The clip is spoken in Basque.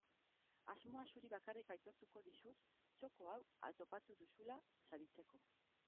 Asmoa zuri bakarrik aitortuko dizut txoko hau topatu duzula saritzeko.